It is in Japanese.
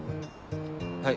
はい。